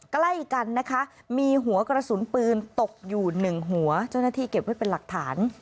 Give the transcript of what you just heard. ใกล้กันนะคะมีหัวกระสุนปืนตกอยู่หนึ่งหัวเจ้าหน้าที่เก็บไว้เป็นหลักฐาน